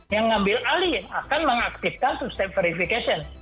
yang mengambil alih akan mengaktifkan two step verification